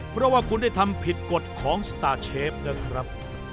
เพราะว่าคุณได้ทำผิดกฎของสตาร์เชฟนะครับ